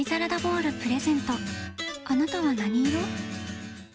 あなたは何色？